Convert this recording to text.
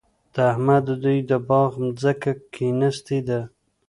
د احمد دوی د باغ ځمکه کېنستې ده.